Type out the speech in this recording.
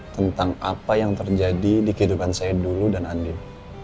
tentang apa yang terjadi di kehidupan saya dulu dan andil